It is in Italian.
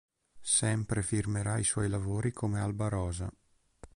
Sempre firmerà i suoi lavori come Alba Rosa.